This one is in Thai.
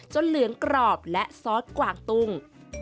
เหลืองกรอบและซอสกวางตุ้ง